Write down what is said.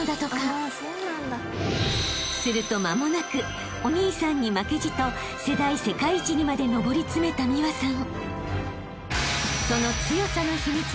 ［すると間もなくお兄さんに負けじと世代世界一にまで上り詰めた美和さん］